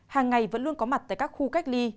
hàng ngày vẫn luôn có mặt tại các khu cách ly